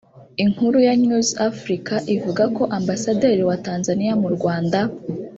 Inkuru ya News Africa ivuga ko Ambasaderi wa Tanzania mu Rwanda